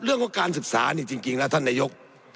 เรื่องของการศึกษาท่านนายก